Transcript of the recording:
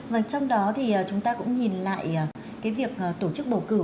vâng trong đó thì chúng ta cũng nhìn lại cái việc tổ chức bầu cử